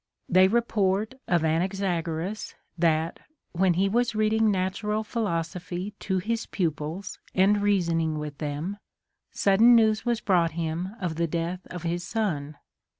They report of Anaxagoras that, when he was reading natural philosophy to his pupils and reasoning with them, sudden news Avas brought him of the death of his son.